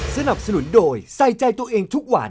สนับสนุนโดยใส่ใจตัวเองทุกวัน